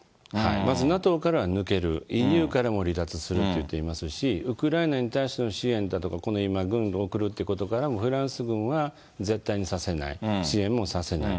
まずＮＡＴＯからは抜ける、ＥＵからも離脱すると言っていますし、ウクライナに対しての支援だとか、今、軍を送るということからも、フランス軍は絶対にさせない、支援もさせない。